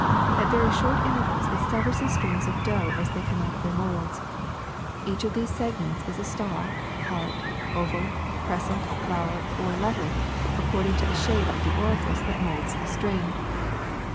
At very short intervals it severs the strings of dough as they come out of their molds. Each of these segments is a star, heart, oval, crescent, flower, or letter, according to the shape of the orifice that molds the string."